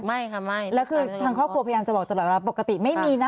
ไม่ค่ะไม่แล้วคือทางครอบครัวพยายามจะบอกตลอดว่าปกติไม่มีนะ